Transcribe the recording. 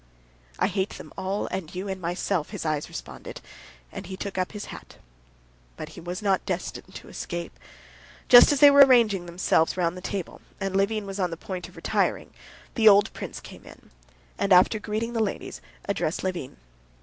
"I hate them all, and you, and myself," his eyes responded, and he took up his hat. But he was not destined to escape. Just as they were arranging themselves round the table, and Levin was on the point of retiring, the old prince came in, and after greeting the ladies, addressed Levin.